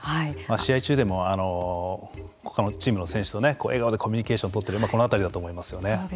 試合中でもほかのチームの選手と笑顔でコミュニケーションを取っているこの辺りだと思いますよね。